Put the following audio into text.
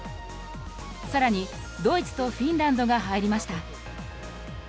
さらにドイツとフィンランドが入りました。